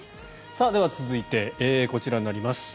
では、続いてこちらになります。